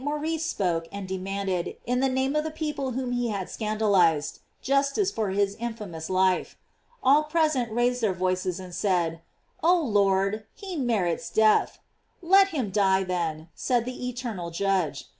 Maurice spoke, and demanded, in the name of the people whom he had scandalized, justice for his infamous life. All present raised their voices and said: "Oh Lord, he merits death." "Let him die, then," said the eternal Judge.